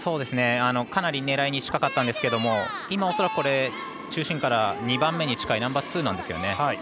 かなり狙いに近かったんですけど今、恐らく中心から２番目に近いナンバーツーなんですよね。